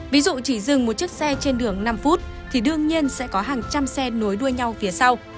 ví dụ chỉ dừng một chiếc xe trên đường năm phút thì đương nhiên sẽ có hàng trăm xe nối đuôi nhau phía sau